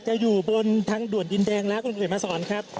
จะอยู่บนทางด่วนดินแดงละคุณคุยมาสอนครับ